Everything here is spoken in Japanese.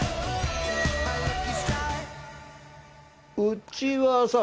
うちはさ